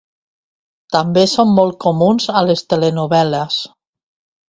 També són molt comuns a les telenovel·les.